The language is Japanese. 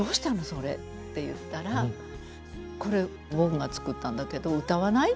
それって言ったら「これ僕が作ったんだけど歌わない？」